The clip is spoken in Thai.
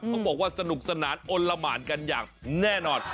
เขาบอกว่าสนุกสนานอลละหมานกันอย่างแน่นอน